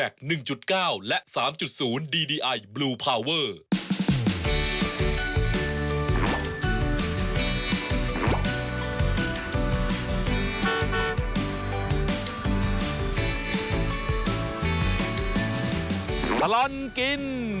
ถล่อนกิน